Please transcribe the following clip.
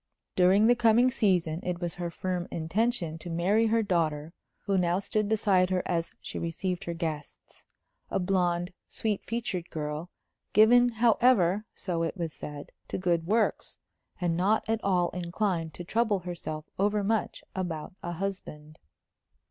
During the coming season it was her firm intention to marry her daughter, who now stood beside her as she received her guests a blonde, sweet featured girl, given, however, so it was said, to good works, and not at all inclined to trouble herself overmuch about a husband.